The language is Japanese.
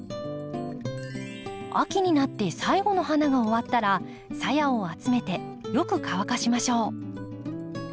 秋になって最後の花が終わったらさやを集めてよく乾かしましょう。